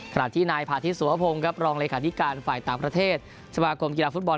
ขณะที่นายพาธิสุวพงศ์ครับรองเลขาธิการฝ่ายต่างประเทศสมาคมกีฬาฟุตบอล